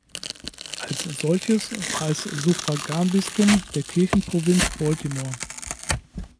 Als solches war es Suffraganbistum der Kirchenprovinz Baltimore.